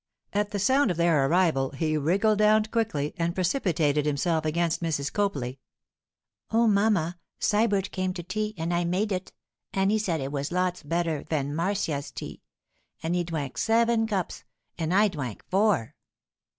At the sound of their arrival he wriggled down quickly and precipitated himself against Mrs. Copley. 'Oh, mamma! Sybert came to tea, an' I made it; an' he said it was lots better van Marcia's tea, an' he dwank seven cups, an' I dwank four.